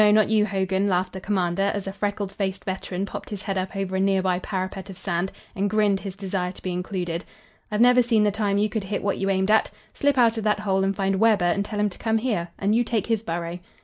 not you, Hogan," laughed the commander, as a freckled faced veteran popped his head up over a nearby parapet of sand, and grinned his desire to be included. "I've never seen the time you could hit what you aimed at. Slip out of that hole and find Webber and tell him to come here and you take his burrow."